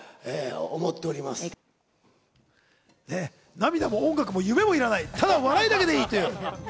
涙も音楽も夢もいらない、ただ笑いだけで良いという。